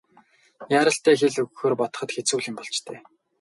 Яаралтай хэл өгөхөөр бодоход хэцүү л юм болж дээ.